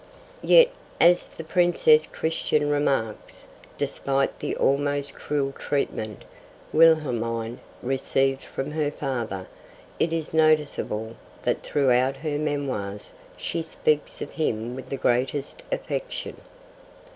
Yet, as the Princess Christian remarks, 'despite the almost cruel treatment Wilhelmine received from her father, it is noticeable that throughout her memoirs she speaks of him with the greatest affection.